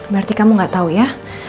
berarti kamu gak tahu ya